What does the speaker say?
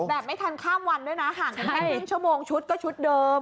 แบบไม่ทันข้ามวันด้วยนะห่างกันแค่ครึ่งชั่วโมงชุดก็ชุดเดิม